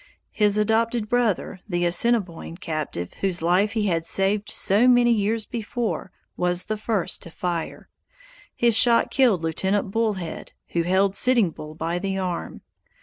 His adopted brother, the Assiniboine captive whose life he had saved so many years before, was the first to fire. His shot killed Lieutenant Bull Head, who held Sitting Bull by the arm.